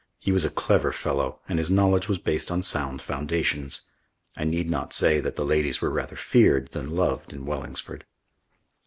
He was a clever fellow and his knowledge was based on sound foundations. I need not say that the ladies were rather feared than loved in Wellingsford.